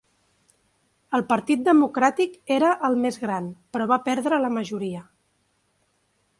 El partit democràtic era el més gran, però va perdre la majoria.